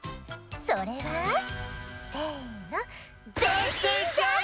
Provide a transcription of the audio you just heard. それは？せの。